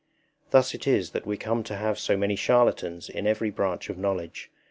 Thus it is that we come to have so many charlatans in every branch of knowledge.